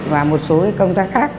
và một số công tác khác